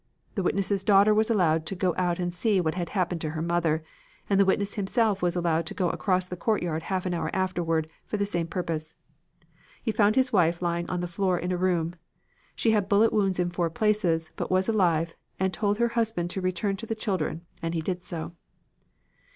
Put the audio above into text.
The witness' daughter was allowed to go out to see what had happened to her mother, and the witness himself was allowed to go across the courtyard half an hour afterward for the same purpose. He found his wife lying on the floor in a room. She had bullet wounds in four places but was alive and told her husband to return to the children and he did so.